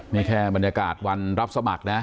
นี่แค่บรรยากาศวันรับสมัครนะ